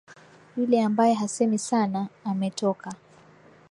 Yule ambaye hasemi sana, ametoka.